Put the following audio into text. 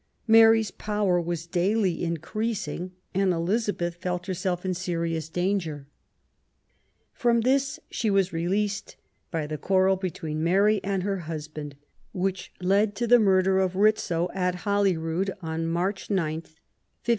Mary's power was daily increasing, and Elizabeth felt herself in serious danger. From this she was released by the quarrel between Mary and her husband, which led to the murder of Rizzio, at Holyrood, on March 9, 1566.